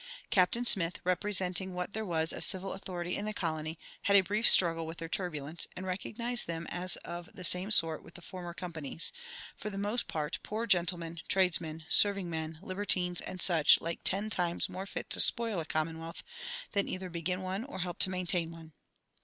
Captain Smith, representing what there was of civil authority in the colony, had a brief struggle with their turbulence, and recognized them as of the same sort with the former companies, for the most part "poor gentlemen, tradesmen, serving men, libertines, and such like, ten times more fit to spoil a commonwealth than either begin one or help to maintain one."